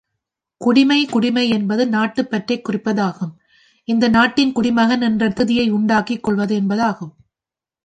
குடிமை குடிமை என்பது நாட்டுப்பற்றைக் குறிப்பதாகும் இந்த நாட்டின் குடிமகன் என்ற தகுதியை உண்டாக்கிக் கொள்வது என்பது ஆகும்.